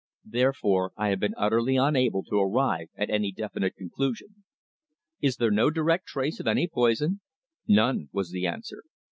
Therefore I have been utterly unable to arrive at any definite conclusion." "Is there no direct trace of any poison?" "None," was the answer.